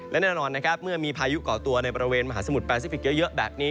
และแน่นอนเมื่อมีภายุเกาะตัวในประเวณมหาสมุดแปลซิฟิกเยอะแบบนี้